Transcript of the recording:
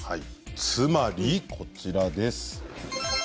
つまりこちらです。